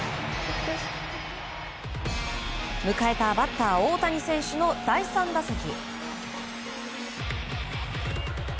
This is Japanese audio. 迎えたバッター大谷選手の第３打席。